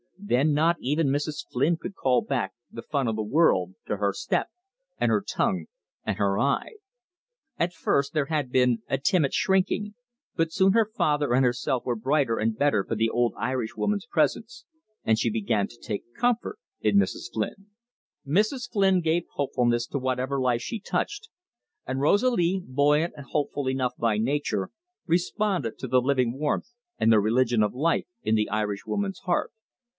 Then not even Mrs. Flynn could call back "the fun o' the world" to her step and her tongue and her eye. At first there had been a timid shrinking, but soon her father and herself were brighter and better for the old Irishwoman's presence, and she began to take comfort in Mrs. Flynn. Mrs. Flynn gave hopefulness to whatever life she touched, and Rosalie, buoyant and hopeful enough by nature, responded to the living warmth and the religion of life in the Irishwoman's heart.